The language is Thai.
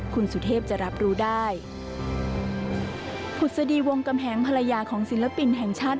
คุณสุเทพจะรับรู้ได้ผุดสดีวงกำแหงภรรยาของศิลปินแห่งชาติ